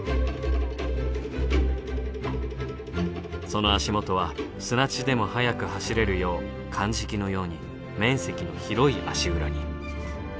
その足元は砂地でも速く走れるようかんじきのように面積の広い足裏に。